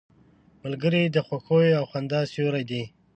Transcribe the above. ملګری د خوښیو او خندا سیوری دی